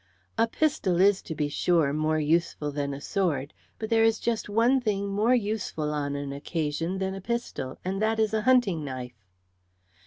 "A pistol is, to be sure, more useful than a sword; but there is just one thing more useful on an occasion than a pistol, and that is a hunting knife."